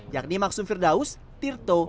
yakni maksum firdaus tirto